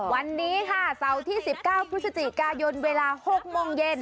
วันนี้ค่ะเสาร์ที่๑๙พฤศจิกายนเวลา๖โมงเย็น